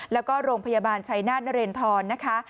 แล้วก็โรงพยาบาลชัยนาธนเรนทรนะคะ